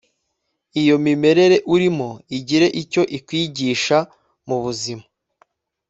iyo mimerere urimo igire icyo ikwigisha mu buzima